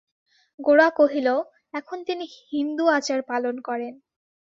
গোরা কহিল, এখন তিনি হিন্দু-আচার পালন করেন।